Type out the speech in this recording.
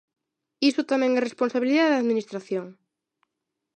Iso tamén é responsabilidade da administración.